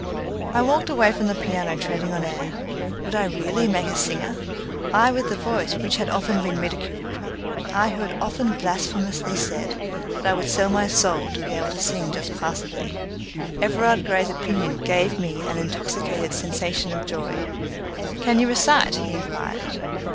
I walked away from the piano treading on air. Would I really make a singer? I with the voice which had often been ridiculed; I who had often blasphemously said that I would sell my soul to be able to sing just passably. Everard Grey's opinion gave me an intoxicated sensation of joy. "Can you recite?" he inquired.